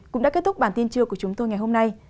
cũng đã kết thúc bản tin trưa của chúng tôi ngày hôm nay